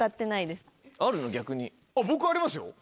僕ありますよ。